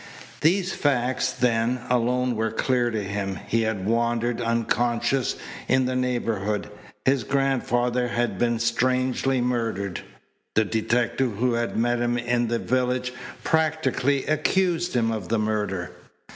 These facts, then, alone were clear to him: He had wandered, unconscious, in the neighbourhood. His grandfather had been strangely murdered. The detective who had met him in the village practically accused him of the murder.